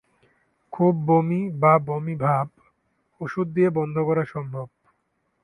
খুব বমি বা বমি ভাব ওষুধ দিয়ে বন্ধ করা সম্ভব।